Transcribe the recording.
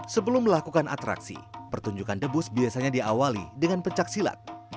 sebelum melakukan atraksi pertunjukan debus biasanya diawali dengan pencaksilat